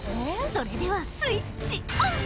それではスイッチオン！